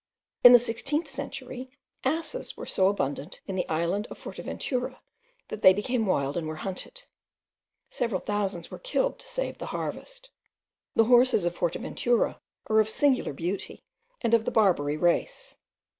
In the sixteenth century, asses were so abundant in the island of Forteventura, that they became wild and were hunted. Several thousands were killed to save the harvest. The horses of Forteventura are of singular beauty, and of the Barbary race.